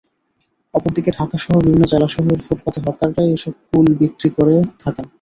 অপরদিকে ঢাকাসহ বিভিন্ন জেলা শহরের ফুটপাতে হকাররাই এসব কুল বিক্রি করে থাকেন।